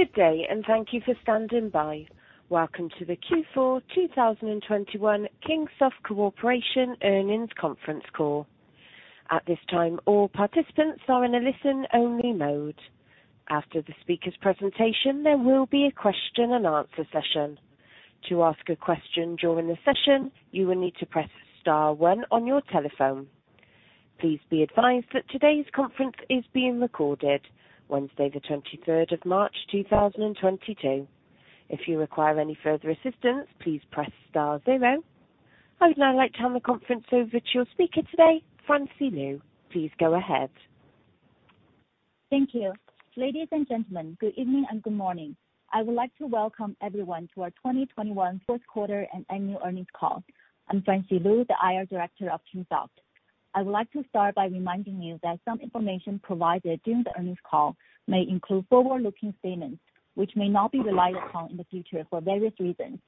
Good day, thank you for standing by. Welcome to the Q4 2021 Kingsoft Corporation Earnings Conference Call. At this time, all participants are in a listen-only mode. After the speaker's presentation, there will be a question and answer session. To ask a question during the session, you will need to press star one on your telephone. Please be advised that today's conference is being recorded, Wednesday, the 23rd of March 2022. If you require any further assistance, please press star zero. I would now like to hand the conference over to your speaker today, Francie Lu. Please go ahead. Thank you. Ladies and gentlemen, good evening and good morning. I would like to welcome everyone to our 2021 first quarter and annual earnings call. I'm Francie Lu, the IR director of Kingsoft. I would like to start by reminding you that some information provided during the earnings call may include forward-looking statements, which may not be relied upon in the future for various reasons.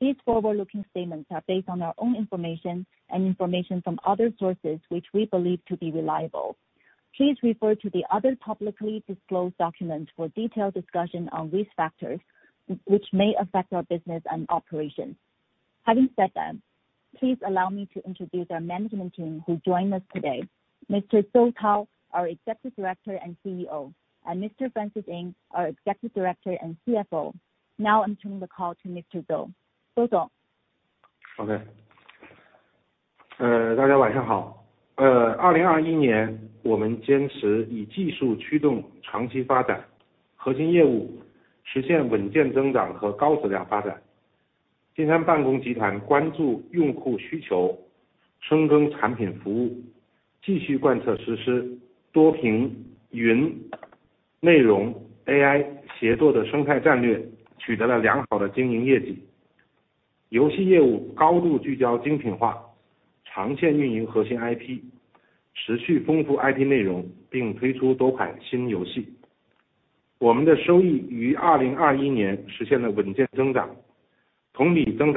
These forward-looking statements are based on our own information and information from other sources which we believe to be reliable. Please refer to the other publicly disclosed documents for detailed discussion on risk factors which may affect our business and operations. Having said that, please allow me to introduce our management team who joined us today. Mr. Zou Tao, our Executive Director and CEO, and Mr. Francis Ng, our Executive Director and CFO. Now I'm turning the call to Mr. Zou. Okay. I will translate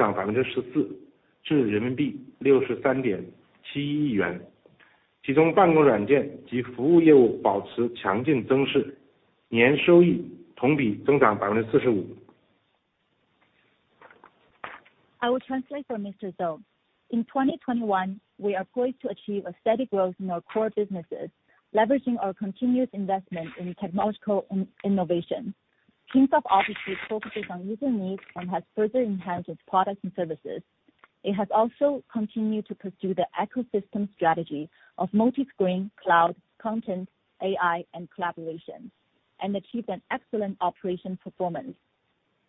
for Mr. Zou. In 2021, we are poised to achieve a steady growth in our core businesses, leveraging our continuous investment in technological innovation. Kingsoft Office suite focuses on user needs and has further enhanced its products and services. It has also continued to pursue the ecosystem strategy of multi-screen, cloud, content, AI, and collaboration and achieve an excellent operational performance.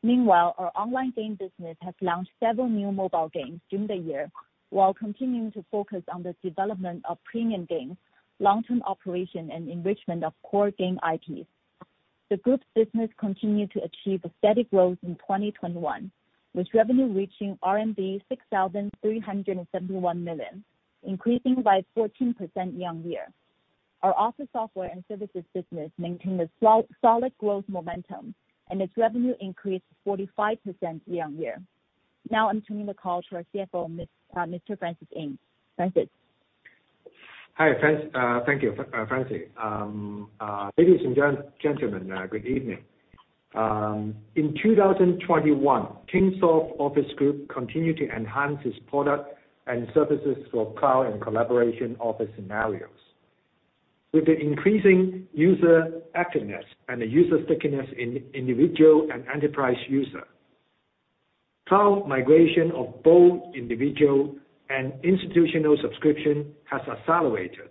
Meanwhile, our online game business has launched several new mobile games during the year, while continuing to focus on the development of premium games, long-term operation, and enrichment of core game IPs. The group's business continued to achieve a steady growth in 2021, with revenue reaching RMB 6,371 million, increasing by 14% year-over-year. Our office software and services business maintained a solid growth momentum and its revenue increased 45% year-over-year. Now I'm turning the call to our CFO, Mr. Francis Ng. Francis. Hi, Francie. Thank you, Francie. Ladies and gentlemen, good evening. In 2021, Kingsoft Office Group continued to enhance its product and services for cloud and collaboration office scenarios. With the increasing user activeness and the user stickiness in individual and enterprise user, cloud migration of both individual and institutional subscription has accelerated.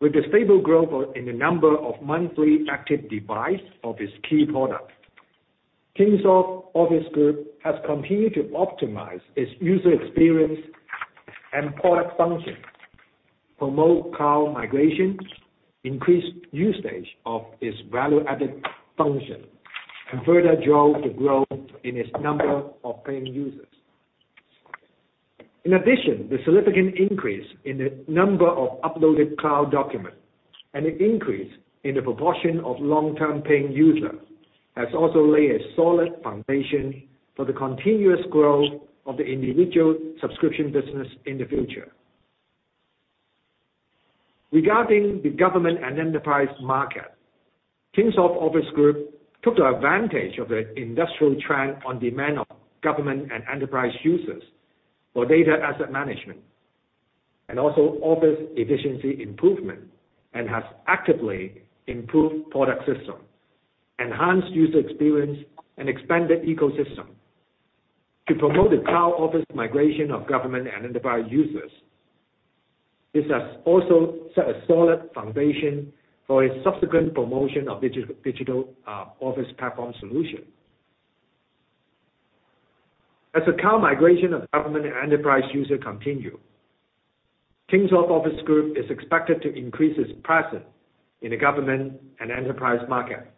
With the stable growth in the number of monthly active device of its key product, Kingsoft Office Group has continued to optimize its user experience and product function, promote cloud migration, increase usage of its value-added function, and further drove the growth in its number of paying users. In addition, the significant increase in the number of uploaded cloud document and an increase in the proportion of long-term paying user has also laid a solid foundation for the continuous growth of the individual subscription business in the future. Regarding the government and enterprise market, Kingsoft Office Group took the advantage of the industrial trend on demand of government and enterprise users for data asset management, and also office efficiency improvement, and has actively improved product system, enhanced user experience, and expanded ecosystem to promote the cloud office migration of government and enterprise users. This has also set a solid foundation for a subsequent promotion of digital office platform solution. As the cloud migration of government and enterprise users continues, Kingsoft Office Group is expected to increase its presence in the government and enterprise market.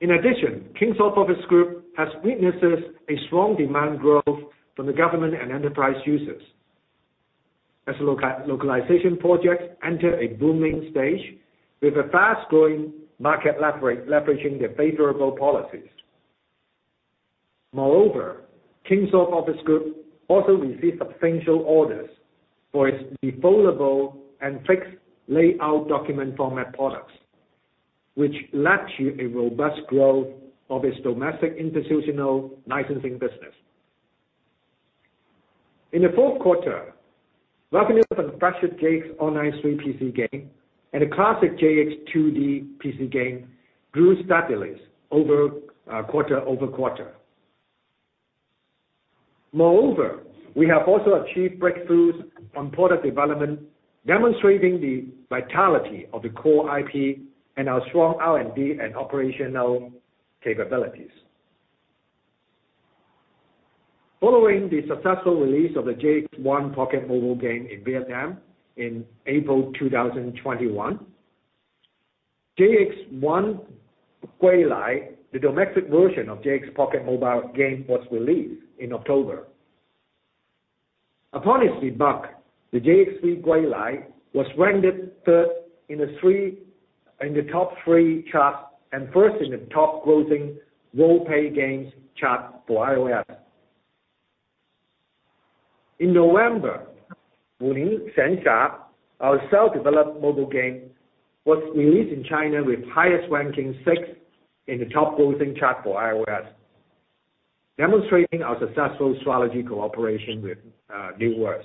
In addition, Kingsoft Office Group has witnessed a strong demand growth from the government and enterprise users. As localization projects enter a booming stage with a fast-growing market leveraging the favorable policies. Moreover, Kingsoft Office Group also received substantial orders for its deployable and fixed layout document format products, which led to a robust growth of its domestic institutional licensing business. In the fourth quarter, revenue from the flagship JX Online III PC game and a classic JX II PC game grew steadily quarter-over-quarter. Moreover, we have also achieved breakthroughs on product development, demonstrating the vitality of the core IP and our strong R&D and operational capabilities. Following the successful release of the JX I Pocket mobile game in Vietnam in April 2021, JX I: Gui Lai, the domestic version of JX I Pocket mobile game, was released in October. Upon its debut, the JX I: Gui Lai was ranked third in the top free chart and first in the top-grossing worldwide paid games chart for iOS. In November, Wu Lin Xian Xia, our self-developed mobile game, was released in China with highest ranking sixth in the top grossing chart for iOS, demonstrating our successful strategy cooperation with New World.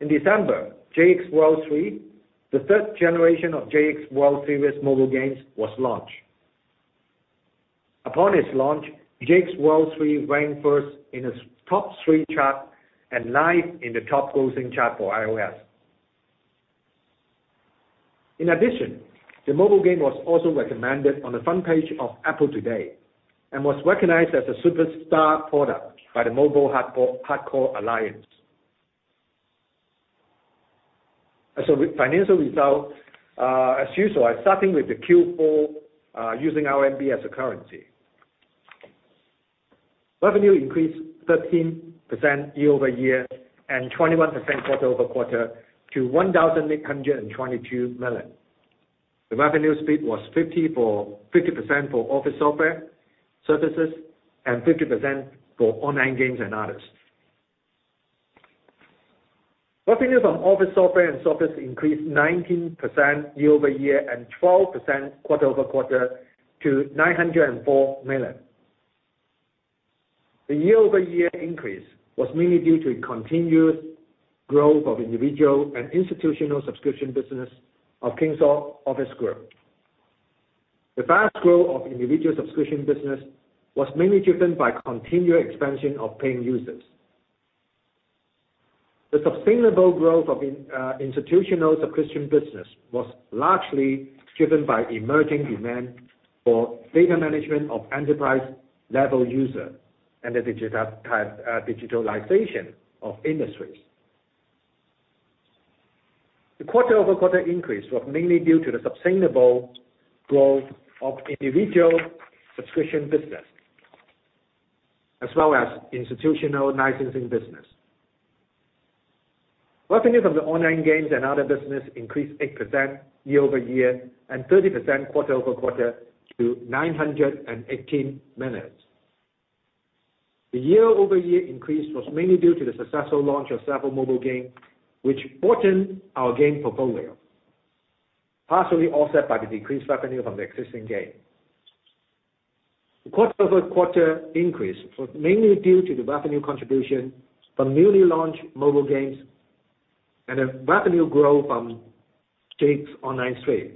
In December, JX World III, the third generation of JX World series mobile games, was launched. Upon its launch, JX World III ranked first in the top free chart and ninth in the top grossing chart for iOS. In addition, the mobile game was also recommended on the front page of Apple Today and was recognized as a superstar product by the Mobile Hardcore Alliance. With financial results, as usual, starting with the Q4, using RMB as a currency. Revenue increased 13% year-over-year and 21% quarter-over-quarter to 1,822 million. The revenue split was 50/50% for office software, services, and 50% for online games and others. Revenue from office software and services increased 19% year-over-year and 12% quarter-over-quarter to 904 million. The year-over-year increase was mainly due to a continued growth of individual and institutional subscription business of Kingsoft Office Group. The fast growth of individual subscription business was mainly driven by continued expansion of paying users. The sustainable growth of institutional subscription business was largely driven by emerging demand for data management of enterprise-level user and the digitalization of industries. The quarter-over-quarter increase was mainly due to the sustainable growth of individual subscription business, as well as institutional licensing business. Revenue from the online games and other business increased 8% year-over-year and 30% quarter-over-quarter to 918 million. The year-over-year increase was mainly due to the successful launch of several mobile games, which broadened our game portfolio, partially offset by the decreased revenue from the existing game. The quarter-over-quarter increase was mainly due to the revenue contribution from newly launched mobile games and a revenue growth from JX Online III.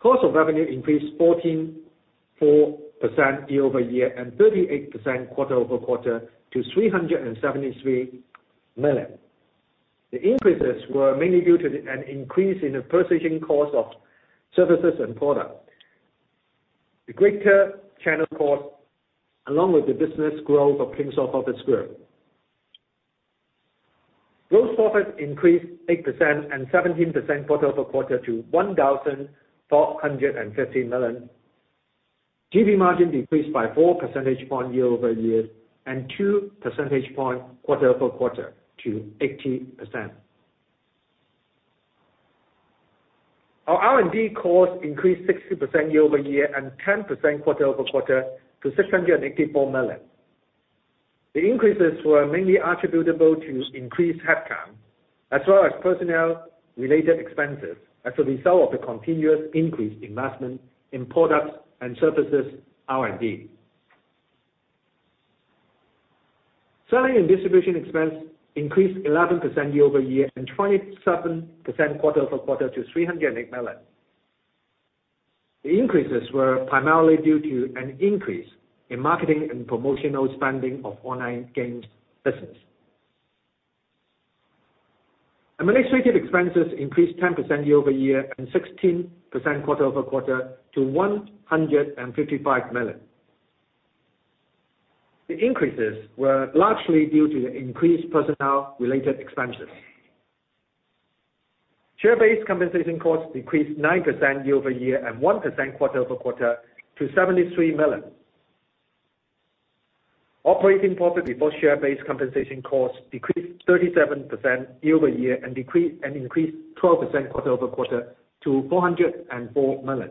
Cost of revenue increased 14.4% year-over-year and 38% quarter-over-quarter to 373 million. The increases were mainly due to an increase in the purchasing cost of services and products, the greater channel cost, along with the business growth of Kingsoft Office Group. Gross profit increased 8% and 17% quarter-over-quarter to 1,450 million. GP margin decreased by four percentage point year-over-year and two percentage point quarter-over-quarter to 80%. Our R&D costs increased 60% year-over-year and 10% quarter-over-quarter to 684 million. The increases were mainly attributable to increased headcount as well as personnel-related expenses as a result of the continuously increased investment in products and services R&D. Selling and distribution expense increased 11% year-over-year and 27% quarter-over-quarter to 308 million. The increases were primarily due to an increase in marketing and promotional spending of online games business. Administrative expenses increased 10% year-over-year and 16% quarter-over-quarter to 155 million. The increases were largely due to the increased personnel-related expenses. Share-based compensation costs decreased 9% year-over-year and 1% quarter-over-quarter to 73 million. Operating profit before share-based compensation costs decreased 37% year-over-year and increased 12% quarter-over-quarter to 404 million.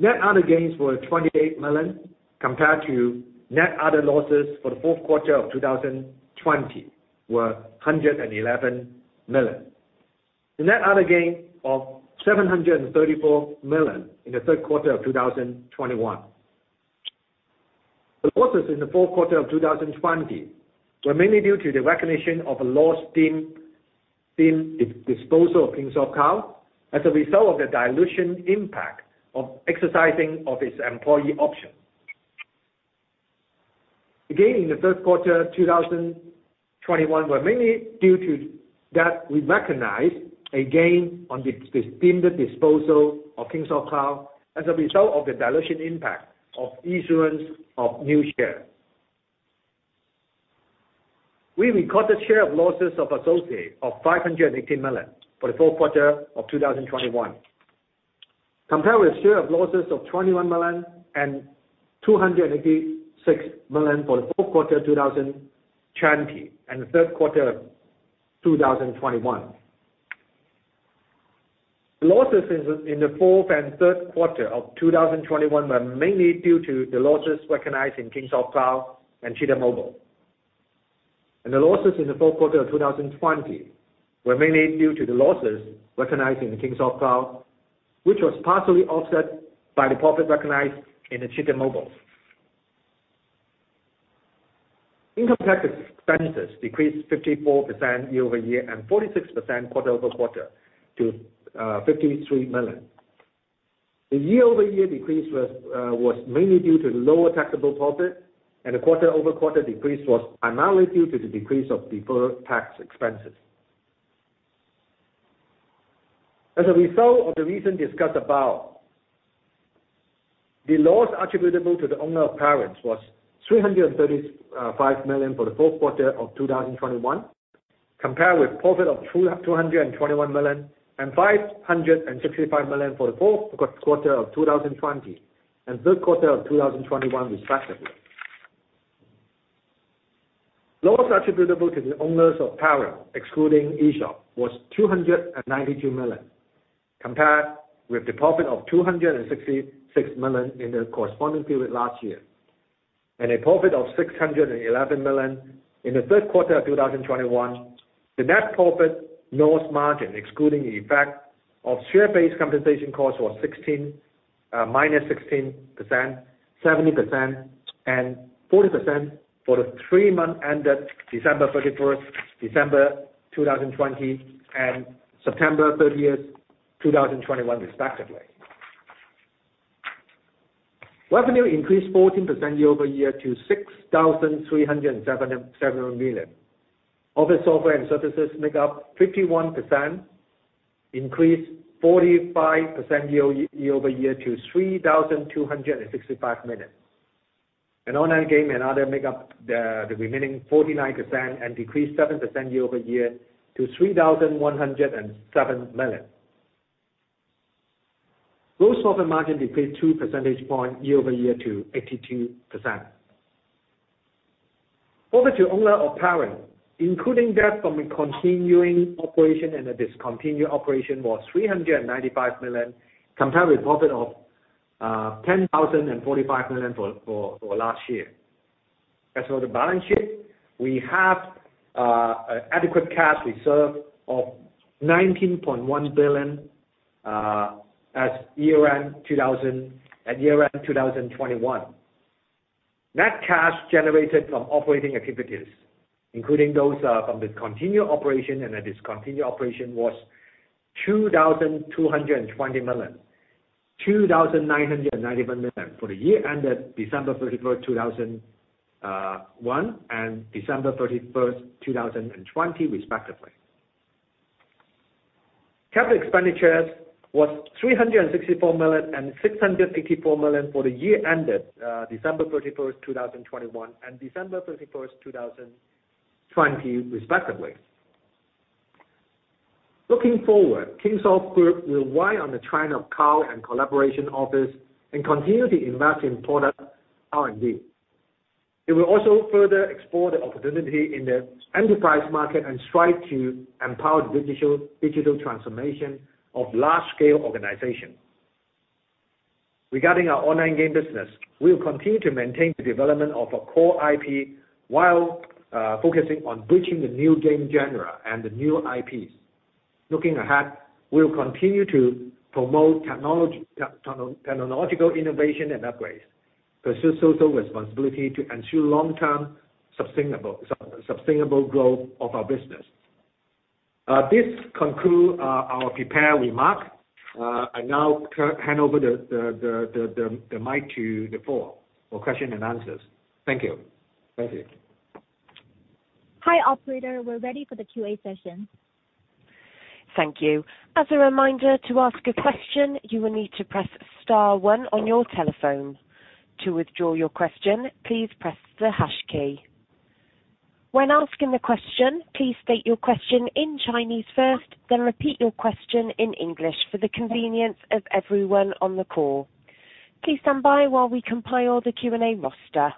Net other gains were 28 million compared to net other losses for the fourth quarter of 2020 of 111 million. The net other gain of 734 million in the third quarter of 2021. The losses in the fourth quarter of 2020 were mainly due to the recognition of a loss deemed disposal of Kingsoft Cloud as a result of the dilution impact of exercising of its employee option. The gain in the third quarter 2021 were mainly due to that we recognized a gain on deemed disposal of Kingsoft Cloud as a result of the dilution impact of issuance of new share. We recorded share of losses of associate of 518 million for the fourth quarter of 2021, compared with a share of losses of 21 million and 286 million for the fourth quarter 2020 and the third quarter of 2021. The losses in the fourth and third quarter of 2021 were mainly due to the losses recognized in Kingsoft Cloud and Cheetah Mobile. The losses in the fourth quarter of 2020 were mainly due to the losses recognized in the Kingsoft Cloud, which was partially offset by the profit recognized in the Cheetah Mobile. Income tax expenses decreased 54% year-over-year and 46% quarter-over-quarter to 53 million. The year-over-year decrease was mainly due to lower taxable profit, and the quarter-over-quarter decrease was primarily due to the decrease of deferred tax expenses. As a result of the reason discussed above, the loss attributable to the owners of the parent was 335 million for the fourth quarter of 2021, compared with profit of 221 million and 565 million for the fourth quarter of 2020 and third quarter of 2021, respectively. Loss attributable to the owners of the parent, excluding eShop, was 292 million, compared with the profit of 266 million in the corresponding period last year, and a profit of 611 million in the third quarter of 2021. The net profit loss margin excluding the effect of share-based compensation costs was -16%, 70%, and 40% for the three months ended December 31st, 2020, and September 30th, 2021, respectively. Revenue increased 14% year-over-year to 6,377 million. Office Software and Services make up 51%, increased 45% year-over-year to 3,265 million. Online Game and Other make up the remaining 49% and decreased 7% year-over-year to 3,107 million. Gross profit margin decreased 2 percentage point year-over-year to 82%. Profit to owner of parent, including debt from a continuing operation and a discontinued operation was 395 million, compared with profit of 10,045 million for last year. As for the balance sheet, we have adequate cash reserve of CNY 19.1 billion at year-end 2021. Net cash generated from operating activities, including those from discontinued operations, was 2,220 million and 2,991 million for the year ended December 31, 2021 and December 31st, 2020, respectively. Capital expenditures was 364 million and 684 million for the year ended December 31st, 2021, and December 31st, 2020, respectively. Looking forward, Kingsoft Group will ride on the trend of cloud and collaboration office and continue to invest in product R&D. It will also further explore the opportunity in the enterprise market and strive to empower the digital transformation of large scale organization. Regarding our online game business, we will continue to maintain the development of a core IP while focusing on bridging the new game genre and the new IPs. Looking ahead, we will continue to promote technological innovation and upgrades, pursue social responsibility to ensure long-term sustainable growth of our business. This concludes our prepared remarks. I now hand over the mic to the floor for questions and answers. Thank you. Hi, operator. We're ready for the QA session. Thank you. As a reminder, to ask a question, you will need to press star one on your telephone. To withdraw your question, please press the hash key. When asking the question, please state your question in Chinese first, then repeat your question in English for the convenience of everyone on the call. Please stand by while we compile the Q&A roster.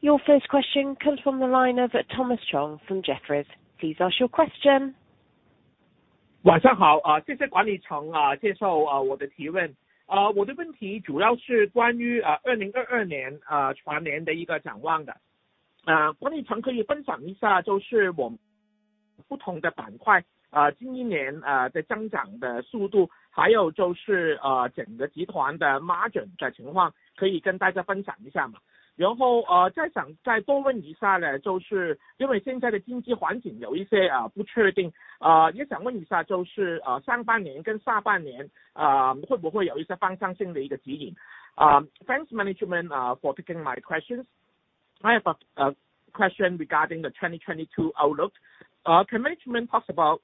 Your first question comes from the line of Thomas Chong from Jefferies. Please ask your question. 晚上好，谢谢管理层接受我的提问。我的问题主要是关于2022年全年的一个展望的。管理层可以分享一下，就是我们不同的板块，近一年在增长的速度，还有就是整个集团的margin的情况，可以跟大家分享一下吗？然后再多问一下呢，就是因为现在的经济环境有一些不确定，也想问一下，就是上半年跟下半年会不会有一些方向性的一个指引。Thanks management for taking my questions. I have a question regarding the 2022 outlook. Can management talks about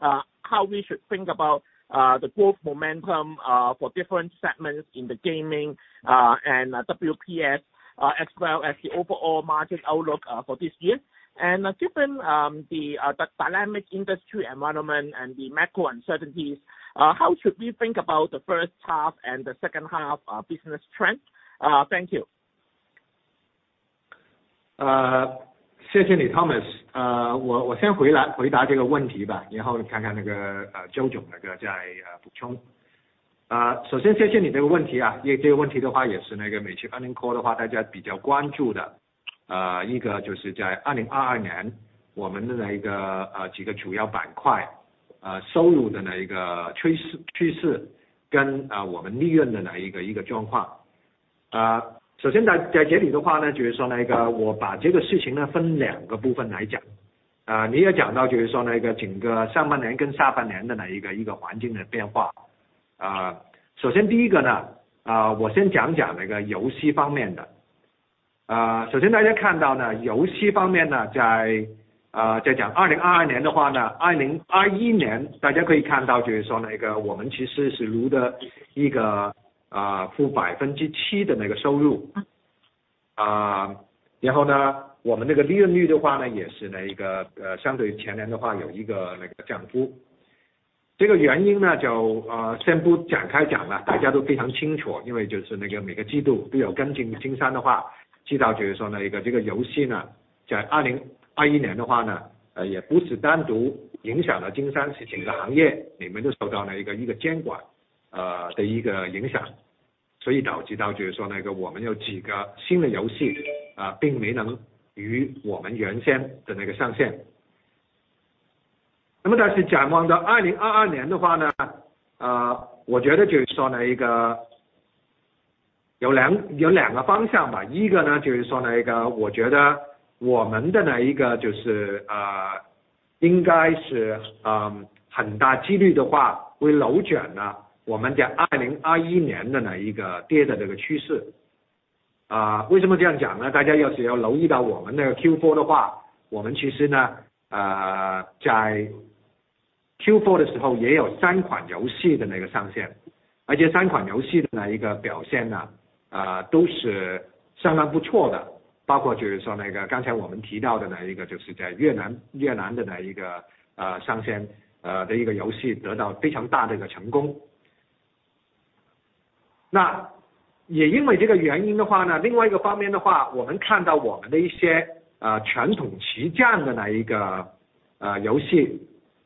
how we should think about the growth momentum for different segments in the gaming and WPS, as well as the overall margin outlook for this year? Given the dynamic industry environment and the macro uncertainties, how should we think about the first half and the second half of business trend? Thank you. 谢谢你，Thomas。我先回来回答这个问题吧，然后看看周总再补充。首先谢谢你这个问题，这个问题也是每次 earning call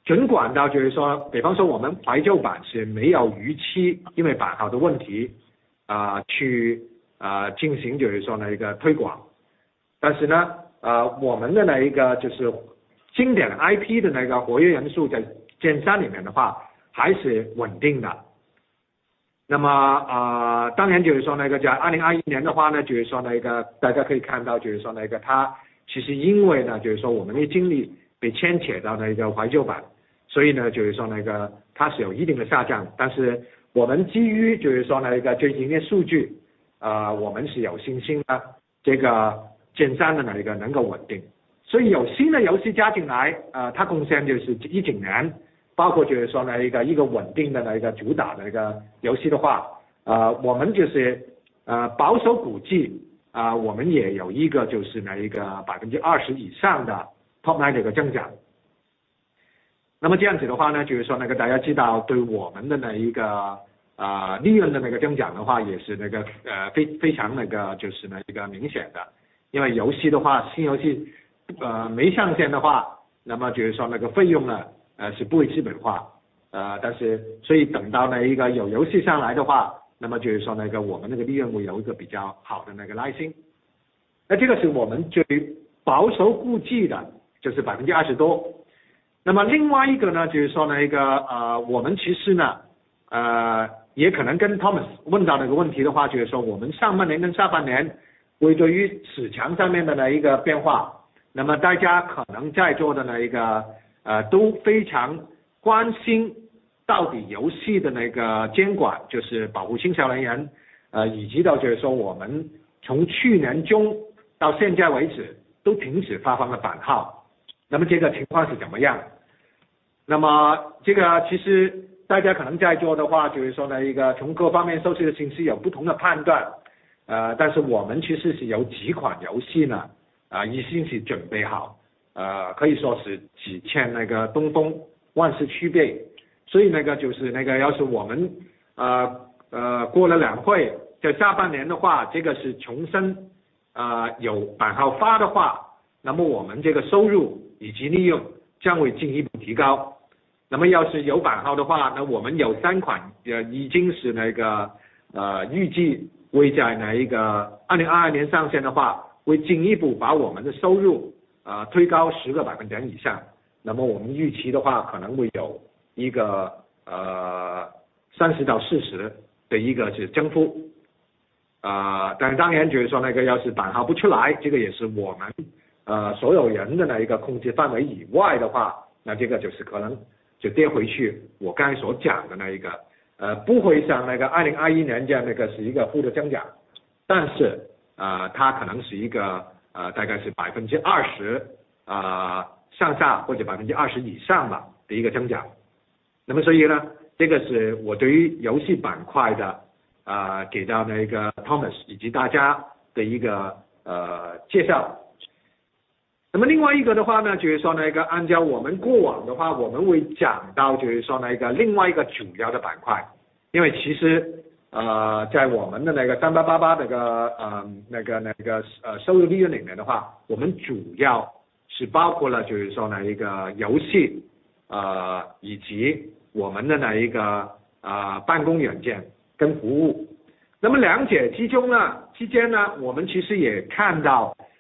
IP 的活跃用户在金山里面还是稳定的。当然就是说在2021年，就是说大家可以看到，就是说它其实因为我们的精力被牵扯到怀旧版，所以就是说它是有一定的下降，但是我们基于就是说最近的数据，我们是有信心，这个金山的那个能够稳定。所以有新的游戏加进来，它贡献就是一整年，包括就是说一个稳定的主打的游戏，我们就是保守估计，我们也有一个就是20%以上的 top line Thomas Thomas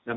A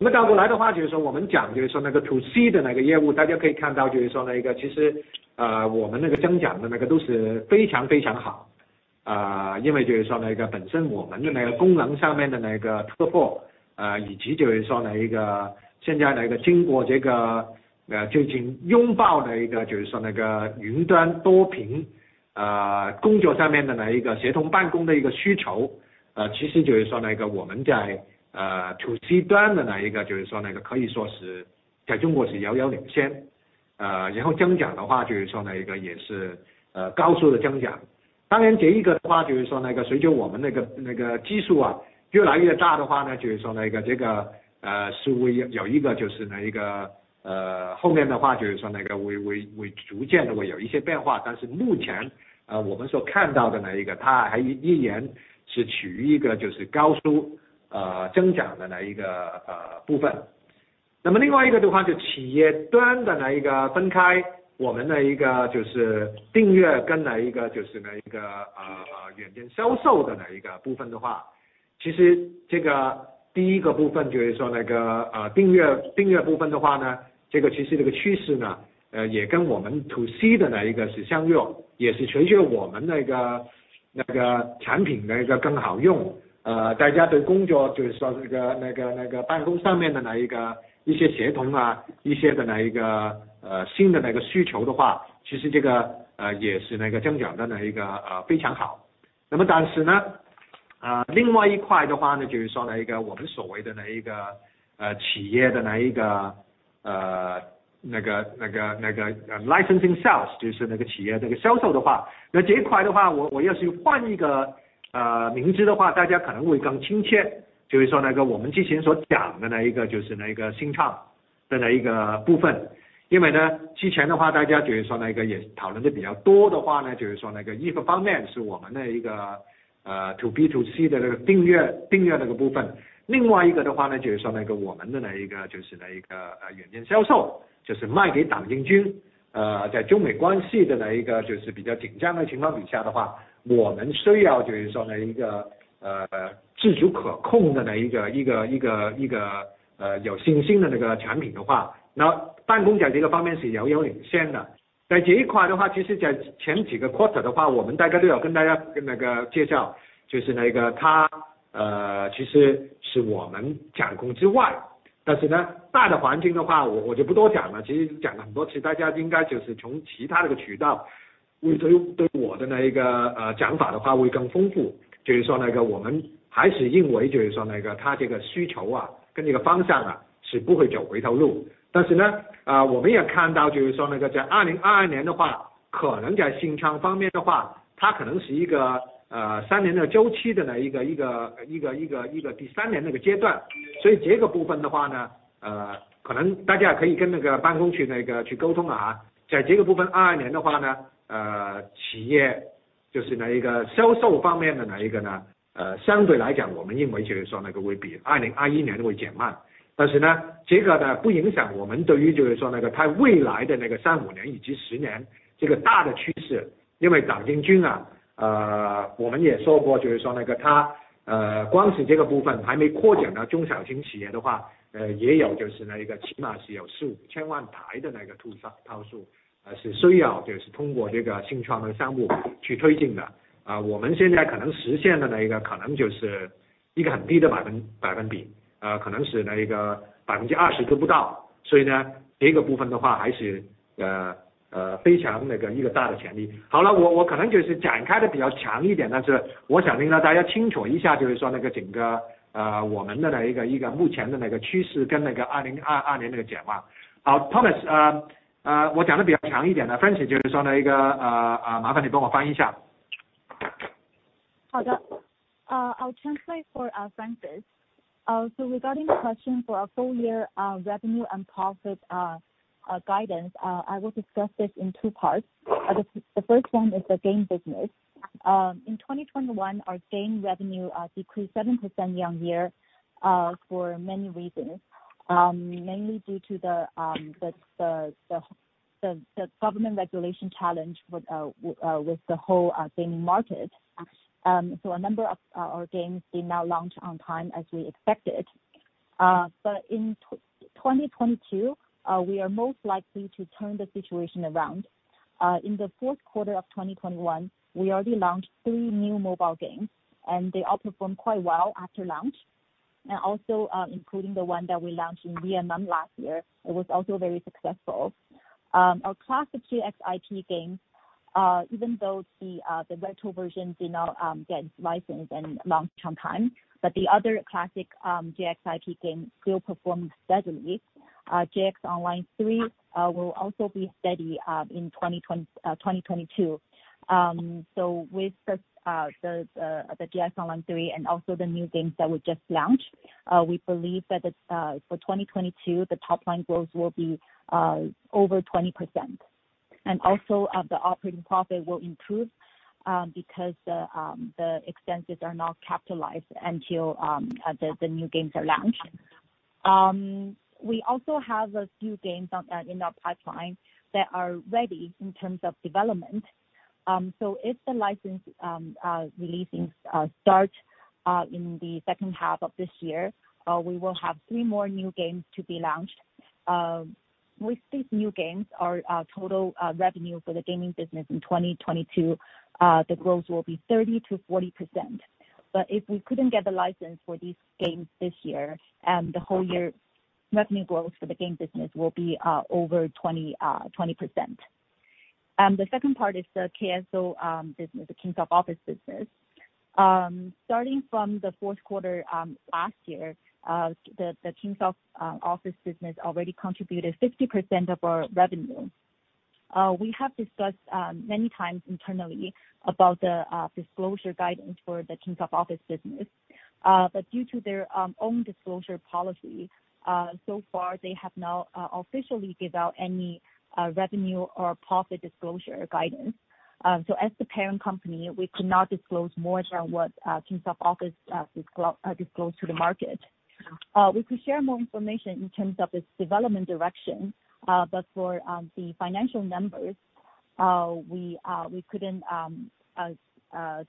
To C 的部分，然后我们在企业端，我们其实是分开，把它从去年的内部再进一步划分，把它变成，就是说我们也是订阅部分，以及就是说我们企业的，就是卖 license To C To C 端的，就是说可以说是在中国是遥遥领先，然后增长，就是说也是高速的增长。当然这一个，就是说随着我们基数越来越大，就是说这个后面，就是说会逐渐会有一些变化，但是目前我们所看到的，它还依然是处于一个高速增长的部分。另外一个就是企业端的分开，我们的一个就是订阅，跟那一个软件销售的部分，其实这个第一个部分就是说订阅部分，这个趋势，也跟我们 To C 的那一个相近，也是随着我们产品更好用，大家对工作就是说这个办公上面的协同，一些新的需求，其实这个也是增长的非常好。但是另外一块，就是说我们所谓的企业的 licensing sales 就是企业的销售，这一块我要是换一个名字，大家可能会更亲切，就是说我们之前所讲的就是信创的部分，因为之前，大家就是说也讨论得比较多，就是说一个方面是我们的 To B、To C 的订阅部分，另外一个，就是说我们的软件销售就是卖给党政军，在中美关系比较紧张的情况底下，我们需要就是说自主可控的一个有信心的产品，那办公在这个方面是遥遥领先的，在这一块，其实在前几个 quarter，我们大概都要跟大家介绍，就是它其实是我们掌控之外，但是大的环境我就不多讲了，其实讲了很多，其实大家应该就是从其他的渠道，对我的讲法会更丰富，就是说我们还是认为，就是说它这个需求跟这个方向是不会走回头路。但是，我们也看到，就是说在2022年，可能在信创方面，它可能是一个三年的周期的第三年阶段。所以这个部分，可能大家可以跟办公去沟通，在这个部分22年，企业就是销售方面，相对来讲，我们认为就是说会比2021年会减慢，但是这个不影响我们对于就是说它未来的三五年以及十年这个大的趋势。因为党政军，我们也说过，就是说它光是这个部分还没扩展到中小型企业，也有，就是起码是有四五千万台的图算套数，而是需要就是通过这个信创的商务去推进的。我们现在可能实现的，可能就是一个很低的百分比，可能是20%都不到。所以这个部分还是非常大的潜力。好了，我可能就是展开得比较长一点，但是我想让大家清楚一下，就是说整个我们的目前的趋势，跟2022年的展望。好，Thomas，我讲得比较长一点，Francis 就是说麻烦你帮我翻译一下。I'll translate for Francis. Regarding question for our full year revenue and profit guidance, I will discuss this in two parts. The first one is the game business. In 2021, our game revenue decreased 7% year-on-year for many reasons, mainly due to the government regulation challenge with the whole game market. A number of our games did not launch on time as we expected. In 2022, we are most likely to turn the situation around. In the fourth quarter of 2021, we already launched three new mobile games and they all performed quite well after launch and also including the one that we launched in Vietnam last year. It was also very successful. Our classic JX IP games, even though the virtual version did not get licensed and launched on time, but the other classic JX IP games still performed steadily. JX Online III will also be steady in 2022. With the JX Online III and also the new games that we just launched, we believe that it's for 2022, the top line growth will be over 20%. Also, the operating profit will improve because the expenses are not capitalized until the new games are launched. We also have a few games in our pipeline that are ready in terms of development. If the license release starts in the second half of this year, we will have three more new games to be launched. With these new games, our total revenue for the gaming business in 2022, the growth will be 30%-40%. If we couldn't get the license for these games this year, the whole year revenue growth for the game business will be over 20%. The second part is the KSO business, the Kingsoft Office business. Starting from the fourth quarter last year, the Kingsoft Office business already contributed 50% of our revenue. We have discussed many times internally about the disclosure guidance for the Kingsoft Office business. Due to their own disclosure policy, so far they have not officially give out any revenue or profit disclosure guidance. As the parent company, we could not disclose more than what Kingsoft Office disclosed to the market. We could share more information in terms of its development direction, but for the financial numbers, we couldn't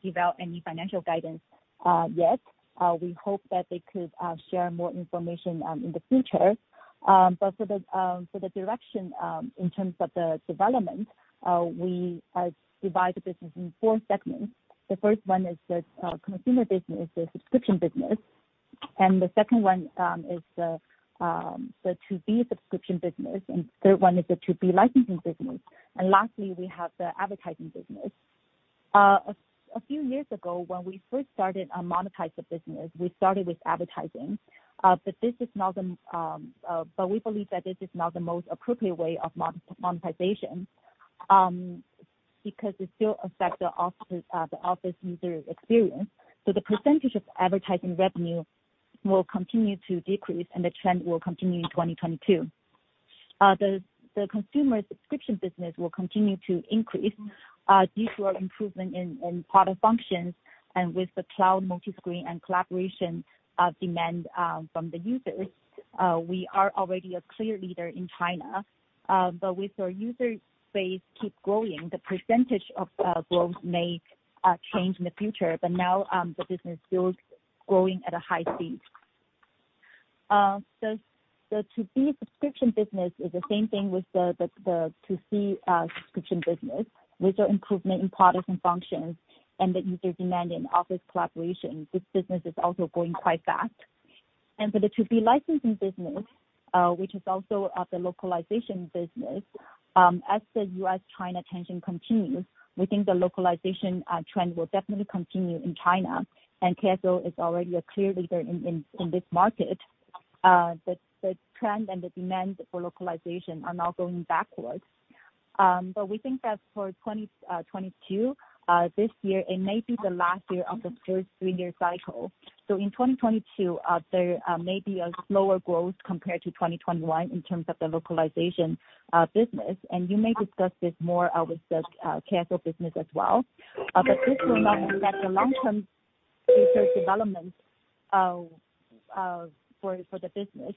give out any financial guidance yet. We hope that they could share more information in the future. For the direction, in terms of the development, we divide the business in four segments. The first one is the consumer business, the subscription business. The second one is the to B subscription business. Third one is the to B licensing business. Lastly, we have the advertising business. A few years ago, when we first started to monetize the business, we started with advertising. But we believe that this is not the most appropriate way of monetization, because it still affects the office user experience. The percentage of advertising revenue will continue to decrease, and the trend will continue in 2022. The consumer subscription business will continue to increase, due to our improvement in product functions and with the cloud multi-screen and collaboration demand from the users. We are already a clear leader in China. But with our user base keep growing, the percentage of growth may change in the future. But now, the business is growing at a high speed. The to-B subscription business is the same thing with the to-C subscription business. With our improvement in products and functions and the user demand in office collaboration, this business is also growing quite fast. For the to-B licensing business, which is also the localization business, as the U.S.,-China tension continues, we think the localization trend will definitely continue in China, and KSO is already a clear leader in this market. The trend and the demand for localization are now going backwards. We think that for 2022, this year, it may be the last year of the first three-year cycle. In 2022, there may be a slower growth compared to 2021 in terms of the localization business. You may discuss this more with the KSO business as well. This will not affect the long-term research development for the business.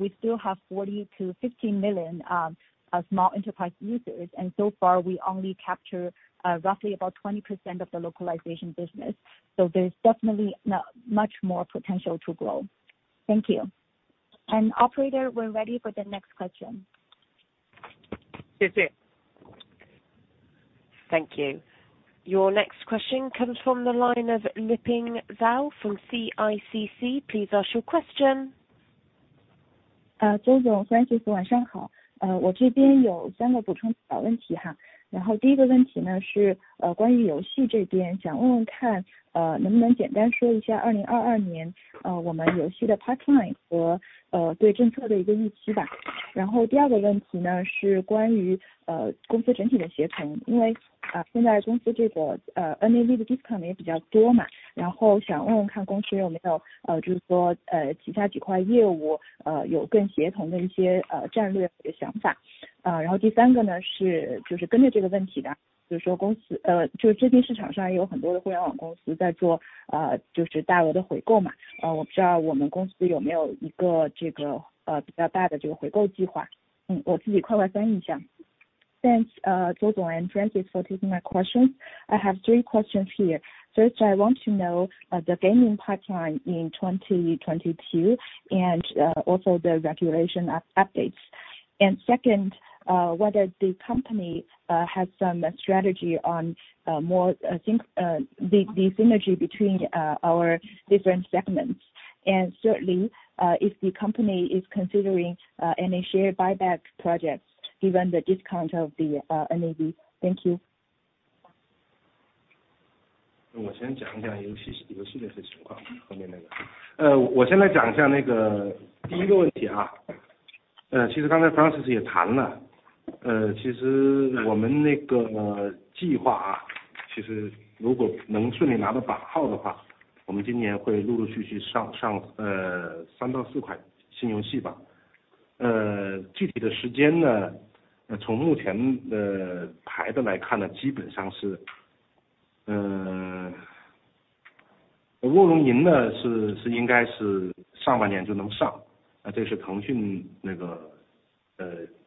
We still have 40-50 million small enterprise users, and so far we only capture roughly about 20% of the localization business. There's definitely much more potential to grow. Thank you. Operator, we're ready for the next question. Thank you. Your next question comes from the line of Liping Zhao from CICC. Please ask your question. Zou Tao, Francis, for taking my questions. I have three questions here. First, I want to know the gaming pipeline in 2022, and also the regulation updates. Second, whether the company has some strategy on more, I think, the synergy between our different segments. Certainly, if the company is considering any share buyback projects given the discount of the NAV. Thank you.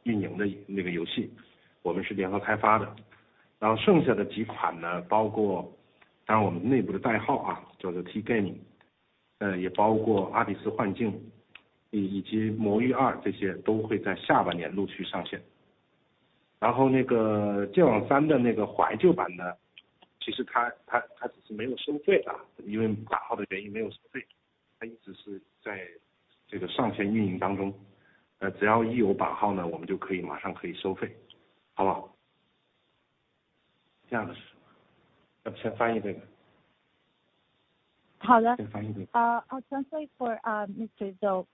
game，也包括阿比斯幻境以及魔域2，这些都会在下半年陆续上线。然后那个剑网3的那个怀旧版呢，其实它只是没有收费的，因为版号的原因没有收费，它一直是在这个上线运营当中，只要一有版号呢，我们就可以马上可以收费，好不好？这样的。要不先翻译这个。好的。先翻译这个。I'll translate for Mr. Zou.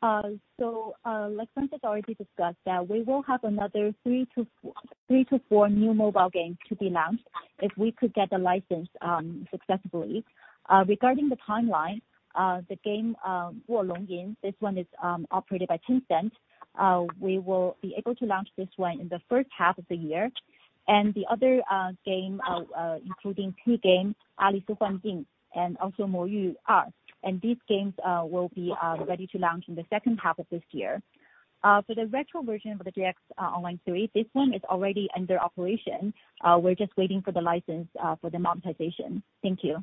Like Francis already discussed that we will have another three-four new mobile games to be launched if we could get the license successfully. Regarding the timeline, the game 卧龙吟, this one is operated by Tencent. We will be able to launch this one in the first half of the year. The other game including T game, 阿比斯幻境, and also 魔域2, and these games will be ready to launch in the second half of this year. The retro version of the JX Online III, this one is already under operation. We're just waiting for the license for the monetization. Thank you.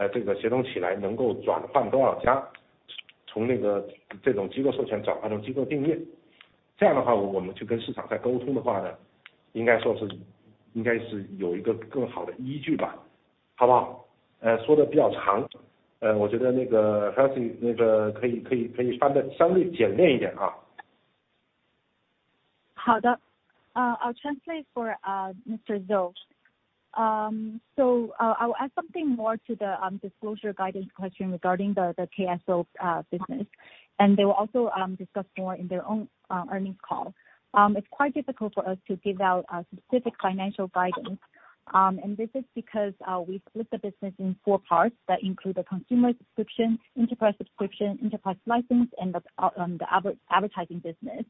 I'll translate for Mr. Zou. I'll add something more to the disclosure guidance question regarding the KSO business and they will also discuss more in their own earnings call. It's quite difficult for us to give out a specific financial guidance. This is because we split the business in four parts that include the consumer subscription, enterprise subscription, enterprise license and the advertising business.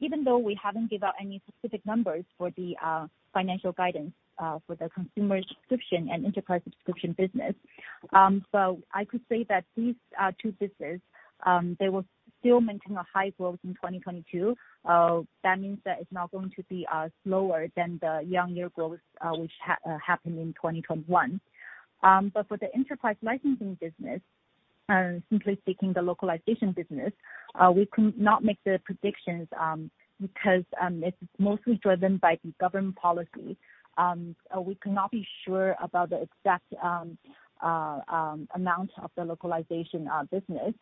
Even though we haven't give out any specific numbers for the financial guidance for the consumer subscription and enterprise subscription business, so I could say that these are two business, they will still maintain a high growth in 2022. That means that it's not going to be slower than the last year growth, which happened in 2021. For the enterprise licensing business, simply speaking, the localization business, we cannot make the predictions, because it's mostly driven by the government policy. We cannot be sure about the exact amount of the localization business,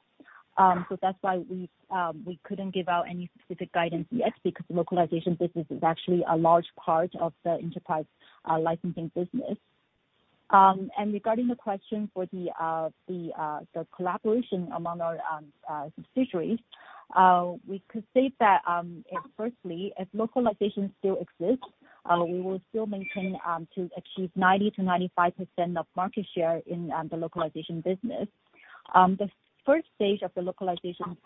so that's why we couldn't give out any specific guidance yet, because localization business is actually a large part of the enterprise licensing business. Regarding the question for the collaboration among our subsidiaries, we could state that firstly, as localization still exists, we will still maintain to achieve 90%-95% of market share in the localization business. The first stage of the localization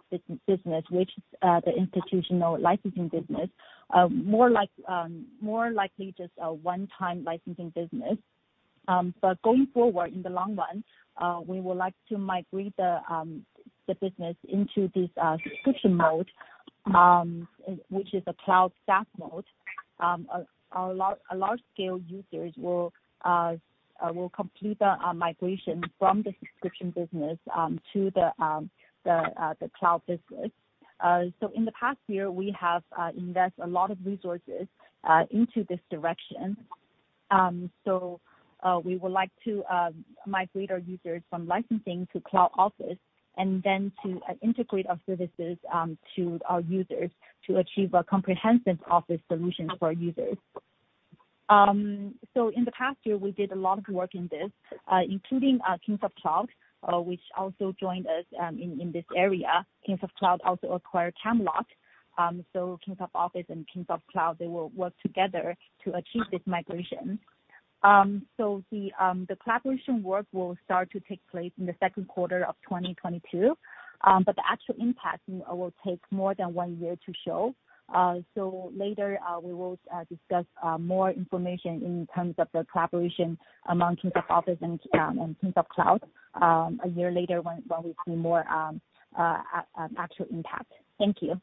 business, which is the institutional licensing business, more like more likely just a one-time licensing business. Going forward in the long run, we would like to migrate the business into this subscription mode, which is a cloud SaaS mode. Our large scale users will complete the migration from the subscription business to the cloud business. In the past year, we have invested a lot of resources into this direction. We would like to migrate our users from licensing to cloud office, and then to integrate our services to our users to achieve a comprehensive office solution for our users. In the past year, we did a lot of work in this, including Kingsoft Cloud, which also joined us in this area. Kingsoft Cloud also acquired Camelot. Kingsoft Office and Kingsoft Cloud they will work together to achieve this migration. The collaboration work will start to take place in the second quarter of 2022. The actual impact will take more than one year to show. Later we will discuss more information in terms of the collaboration among Kingsoft Office and Kingsoft Cloud, a year later when we see more actual impact. Thank you.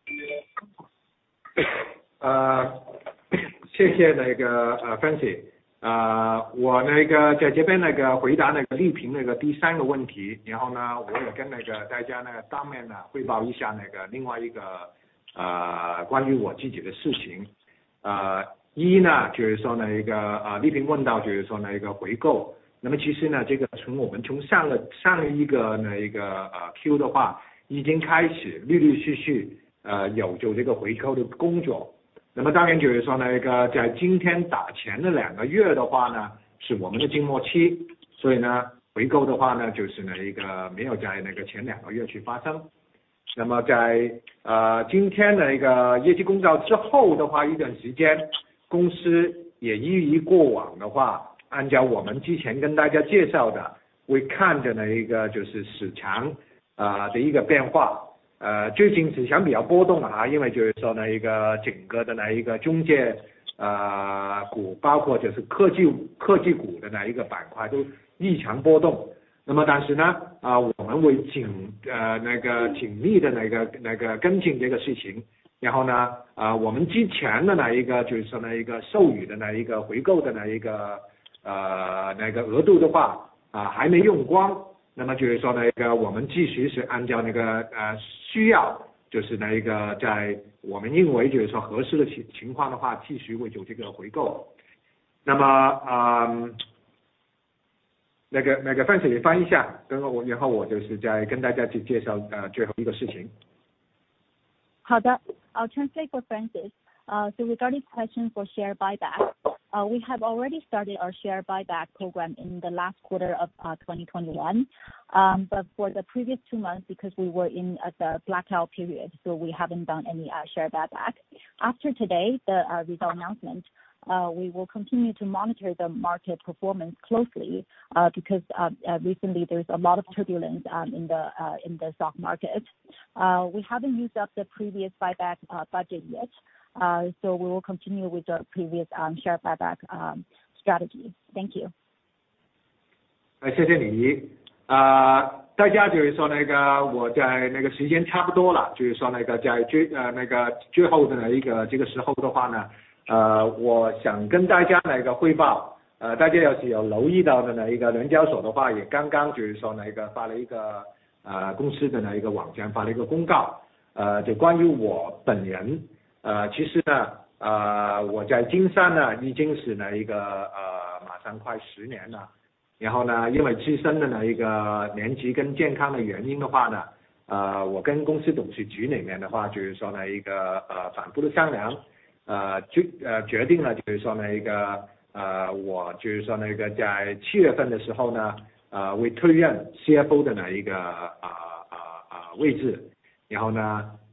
I'll translate for Francis. Regarding question for share buyback, we have already started our share buyback program in the last quarter of 2021. For the previous two months, because we were in the blackout period, we haven't done any share buyback. After today, the results announcement, we will continue to monitor the market performance closely, because recently there's a lot of turbulence in the stock market. We haven't used up the previous buyback budget yet, so we will continue with the previous share buyback strategy. Thank you. 谢谢李怡。大家，时间差不多了，在最后这个时候，我想跟大家来一个汇报。大家要是有留意到的话，刚刚公司的那个网站发了一个公告，关于我本人。其实，我在金山已经马上快十年了。因为自身的年纪跟健康的原因，我跟公司董事局反复商量，决定在七月份的时候会退任CFO的位置。我们公司内部也培育了很多对我们公司业务跟战略非常熟识的同事。我也想在这里介绍一下，我跟周总、李总也推荐我们公司的财务总监李怡，将会在我退任之后接替我的代理CFO的位置。我也希望大家给予李怡的支持，跟大家过往十年给予我的支持一样。我衷心感谢大家过往对金山、对我本人的支持，谢谢大家。Frances，你翻译一下。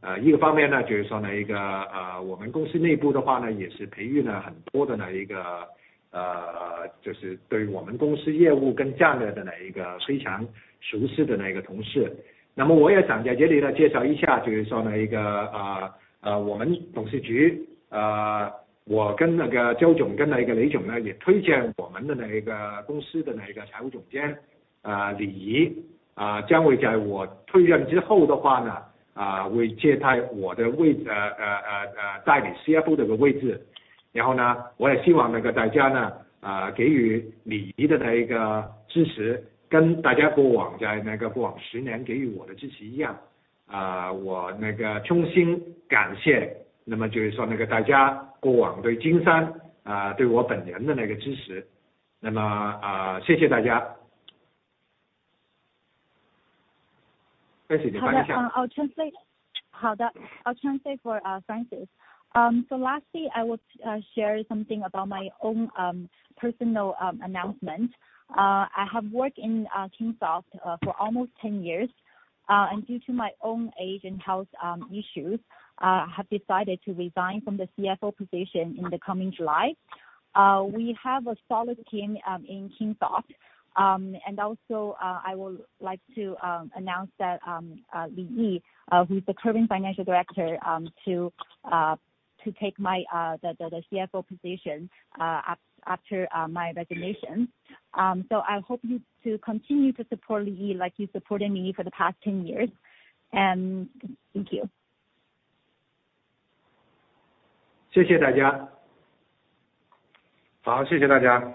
I'll translate. I'll translate for Francis. Lastly, I would share something about my own personal announcement. I have worked in Kingsoft for almost 10 years. Due to my own age and health issues, I have decided to resign from the CFO position in the coming July. We have a solid team in Kingsoft. I would like to announce that Yi Li who is the current financial director to take over the CFO position after my resignation. I hope you to continue to support Yi Li like you supported me for the past 10 years. Thank you. 谢谢大家。好，谢谢大家。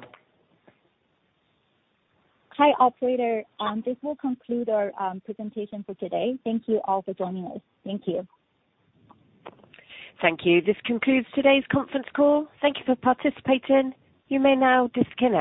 Hi operator, this will conclude our presentation for today. Thank you all for joining us. Thank you. Thank you. This concludes today's conference call. Thank you for participating. You may now disconnect.